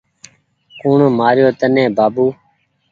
ڪوٚڻ مآري يو تني بآبو